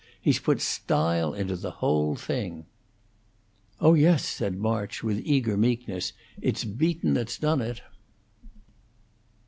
He's put style into the whole thing." "Oh yes," said March, with eager meekness, "it's Beaton that's done it."